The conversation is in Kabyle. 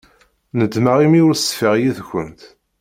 Nedmeɣ imi ur ṣfiɣ yid-kent.